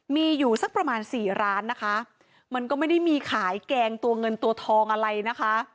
มีอยู่สักประมาณสี่ร้านนะคะมันก็ไม่ได้มีขายแกงตัวเงินตัวทองอะไรนะคะ